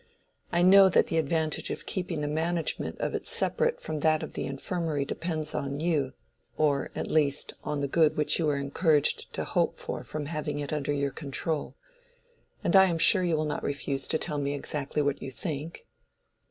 I know that the advantage of keeping the management of it separate from that of the Infirmary depends on you, or, at least, on the good which you are encouraged to hope for from having it under your control. And I am sure you will not refuse to tell me exactly what you think."